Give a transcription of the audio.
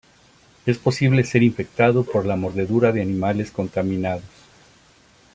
Es posible ser infectado por la mordedura de animales contaminados.